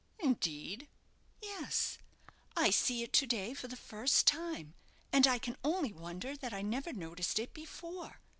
"Indeed!" "Yes; I see it to day for the first time, and I can only wonder that I never noticed it before.